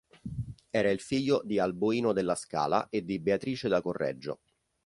Era il figlio di Alboino della Scala e di Beatrice da Correggio.